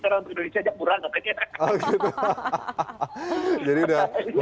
karena untuk indonesia aja murah gak pengen